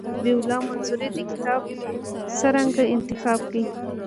او ذبیح الله منصوري دا کتاب څرنګه انتخاب کړی.